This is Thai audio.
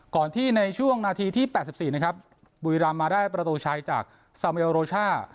ก่อนที่ในช่วงนาทีที่แปดสิบสี่นะครับบุยรามมาได้ประตูชัยจากสาเมียลโรช่า